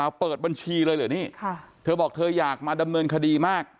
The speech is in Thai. เอาเปิดบัญชีเลยเหรอนี่ค่ะเธอบอกเธออยากมาดำเนินคดีมาก